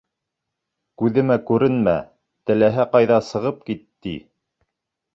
Күҙемә күренмә, теләһә ҡайҙа сығып кит, ти.